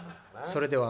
それでは。